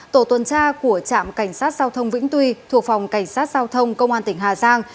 tổ tuần tra của trạm cảnh sát giao thông vĩnh tuy thuộc phòng cảnh sát giao thông công an tỉnh hà giang